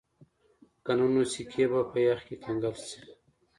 که نه نو سکي به په یخ کې کنګل شي